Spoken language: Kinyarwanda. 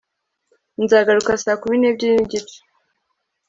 nzagaruka saa kumi n'ebyiri n'igice